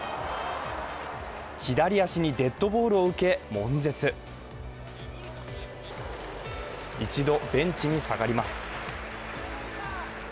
左足にデッドボールを受け、もん絶一度ベンチに下がります。